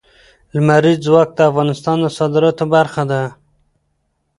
لمریز ځواک د افغانستان د صادراتو برخه ده.